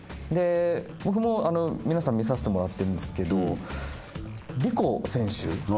僕も皆さん見させてもらってるんですけどＲｉｋｏ選手。